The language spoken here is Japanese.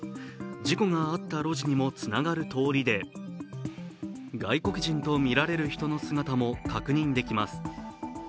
事故があった路地にもつながる通りで外国人とみられる人の姿も確認できます。